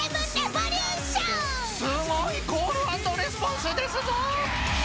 ［すごいコール＆レスポンスですぞ！］